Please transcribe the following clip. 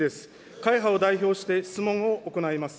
会派を代表して、質問を行います。